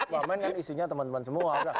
wamen kan isinya teman teman semua